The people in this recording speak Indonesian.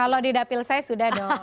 kalau di dapil saya sudah dong